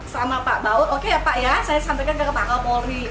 sama pak baut oke ya pak ya saya sampaikan ke pak kapolri